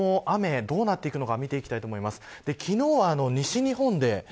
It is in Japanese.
この後の雪雲、雨どうなっていくのか見ていきたいと思います。